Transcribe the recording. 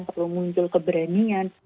perlu muncul keberanian